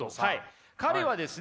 彼はですね